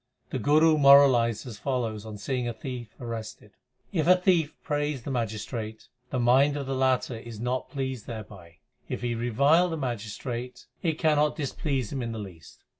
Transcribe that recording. The Guru moralized as follows on seeing a thief arrested : If a thief praise the magistrate, the mind of the latter is not pleased thereby ; If he revile the magistrate, it cannot displease him in the least.